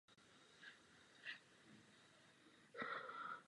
Balkán poznamenal rozpad Jugoslávie a válka v Bosně a Hercegovině.